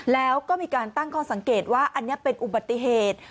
แล้วก็มีการตั้งข้อสังเกตว่าอันนี้เป็นอุบัติเหตุ